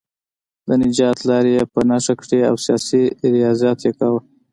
د نجات لارې یې په نښه کړې او سیاسي ریاضت یې کاوه.